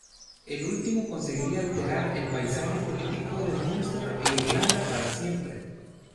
El último conseguiría alterar el paisaje político de Munster e Irlanda para siempre.